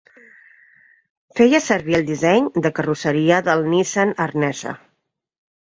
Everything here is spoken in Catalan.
Feia servir el disseny de carrosseria del Nissan R'nessa.